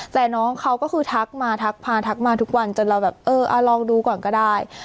แต่น้องเขาก็คือทักมาทักพาทักมาทุกวันจนเราแบบเออลองดูก่อนก็ได้